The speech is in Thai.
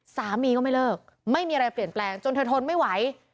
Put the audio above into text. สามีก็ไม่เลิกไม่มีอะไรเปลี่ยนแปลงจนเธอทนไม่ไหว